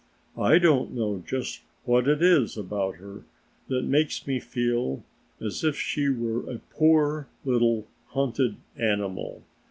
I don't know just what it is about her that makes me feel as if she were a poor little hunted animal.